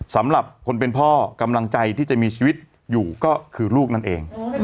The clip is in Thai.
สำหรับคนเป็นพ่อกำลังใจที่จะมีชีวิตอยู่ก็คือลูกนั่นเอง